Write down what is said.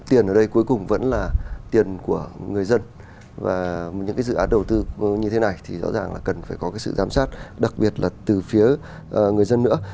tiền ở đây cuối cùng vẫn là tiền của người dân và những cái dự án đầu tư như thế này thì rõ ràng là cần phải có cái sự giám sát đặc biệt là từ phía người dân nữa